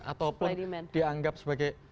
atau dianggap sebagai